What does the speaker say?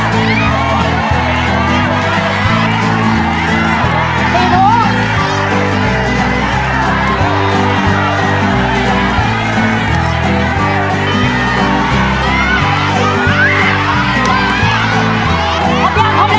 พร้อมเร็วบ้าเร็วขับหัว